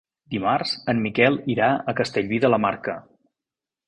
Dimarts en Miquel irà a Castellví de la Marca.